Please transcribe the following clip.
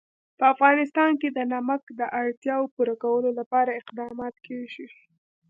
په افغانستان کې د نمک د اړتیاوو پوره کولو لپاره اقدامات کېږي.